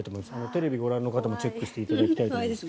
テレビをご覧の皆さんもチェックしていただきたいと思います。